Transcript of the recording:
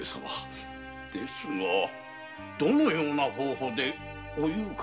ですがどのような方法でおゆうから切餅を？